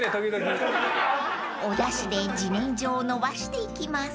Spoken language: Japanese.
［おだしで自然薯をのばしていきます］